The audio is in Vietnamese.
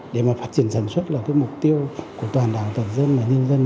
để mà phát triển sản xuất là cái mục tiêu của toàn đảng toàn dân và nhân dân